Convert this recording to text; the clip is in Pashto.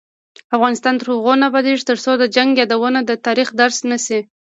افغانستان تر هغو نه ابادیږي، ترڅو د جنګ یادونه د تاریخ درس نشي.